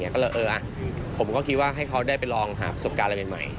ก็เลยผมก็คิดว่าให้เขาได้ไปลองหาประสบการณ์อะไรใหม่